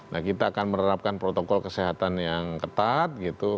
nah kita akan menerapkan protokol kesehatan yang ketat gitu